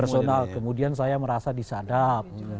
emosional kemudian saya merasa disadap